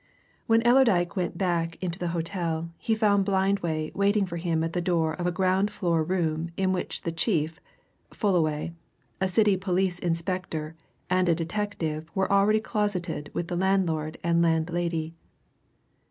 When Allerdyke went back into the hotel he found Blindway waiting for him at the door of a ground floor room in which the chief, Fullaway, a City police inspector and a detective were already closeted with the landlord and landlady.